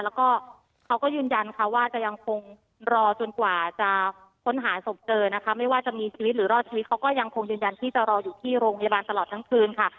แล้วก็เขาก็ยืนยันค่ะว่าจะยังคงรอจนกว่าจะค้นหาศพเจอนะคะไม่ว่าจะมีชีวิตหรือรอดชีวิตเขาก็ยังคงยืนยันที่จะรออยู่ที่โรงพยาบาลตลอดทั้งคืนค่ะ